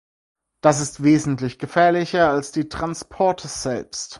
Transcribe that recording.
Das ist wesentlich gefährlicher als die Transporte selbst.